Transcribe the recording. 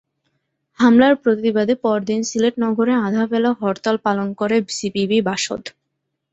হামলার প্রতিবাদে পরদিন সিলেট নগরে আধা বেলা হরতাল পালন করে সিপিবি-বাসদ।